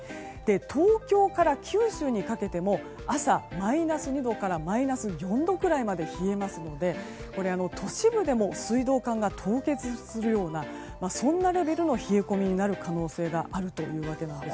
東京から九州にかけても朝、マイナス２度からマイナス４度くらいまで冷えますので都市部でも水道管が凍結するようなそんなレベルの冷え込みになる可能性があるというわけなんです。